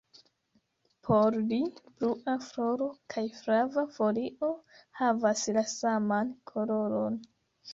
Por ri, blua floro kaj flava folio havas la saman koloron.